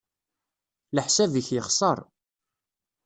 Leḥsab-ik yexṣer.